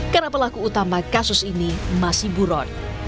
karena pelaku utama kasus ini masih buron